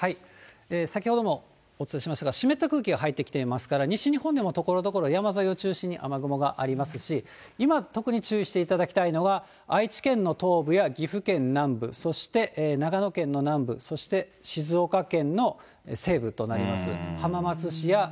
先ほどもお伝えしましたが、湿った空気が入ってきていますから、西日本でもところどころ、山沿いを中心に雨雲がありますし、今、特に注意していただきたいのは、愛知県の東部や岐阜県南部、そして長野県の南部、そして静岡県の西部となります。